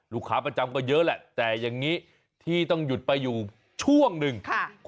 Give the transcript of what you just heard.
ลูกค้าประจำก็เยอะแหละแต่อย่างนี้ที่ต้องหยุดไปอยู่ช่วงหนึ่ง